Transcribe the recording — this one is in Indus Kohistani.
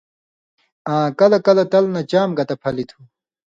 آں کلہۡ کلہۡ لہ تل نہ چام گتہ پھلیۡ تُھو۔